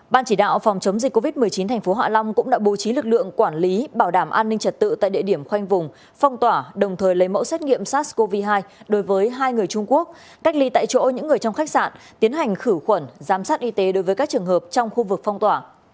ban chỉ đạo phòng chống dịch covid một mươi chín thành phố hạ long cũng đã bố trí lực lượng quản lý bảo đảm an ninh trật tự tại địa điểm khoanh vùng phong tỏa đồng thời lấy mẫu xét nghiệm sars cov hai đối với hai người trung quốc cách ly tại chỗ những người trong khách sạn tiến hành khử khuẩn giám sát y tế đối với các trường hợp trong khu vực phong tỏa